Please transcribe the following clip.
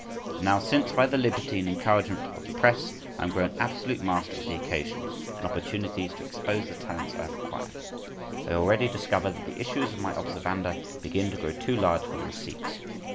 But now, since, by the liberty and encouragement of the press, I am grown absolute master of the occasions and opportunities to expose the talents I have acquired, I already discover that the issues of my observanda begin to grow too large for the receipts.